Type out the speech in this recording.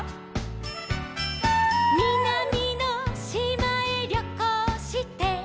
「みなみのしまへりょこうして」